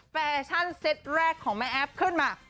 แฟชั่นเซตแรกของแม่แอฟขึ้นมา